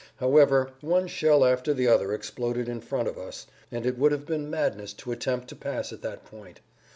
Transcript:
However, one shell after the other exploded in front of us, and it would have been madness to attempt to pass at that point.